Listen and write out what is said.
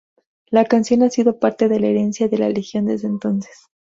La canción ha sido parte de la herencia de la Legión desde entonces.